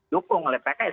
dukung oleh pks